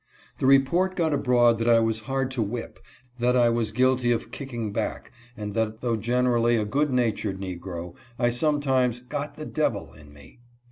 The report got abroad that I was hard to whip ; that I was guilty of kicking back, and that, though generally a good natured negro, I sometimes " got the devil in me."